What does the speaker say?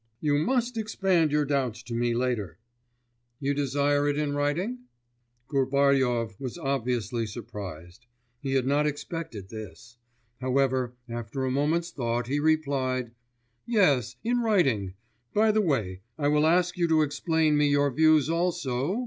You must expand your doubts to me later.' 'You desire it in writing?' Gubaryov was obviously surprised; he had not expected this; however, after a moment's thought, he replied: 'Yes, in writing. By the way, I will ask you to explain to me your views also